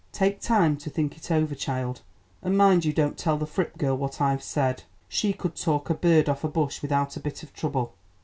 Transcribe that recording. "Take time to think it over, child, and mind you don't tell the Fripp girl what I've said. She could talk a bird off a bush without a bit of trouble."